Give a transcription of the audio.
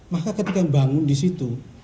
maka ketika yang bangun disitu